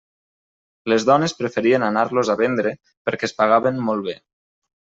Les dones preferien anar-los a vendre perquè es pagaven molt bé.